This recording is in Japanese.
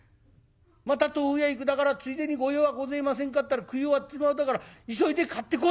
また豆腐屋行くだからついでに御用はごぜえませんかったら『食い終わっちまうだから急いで買ってこい』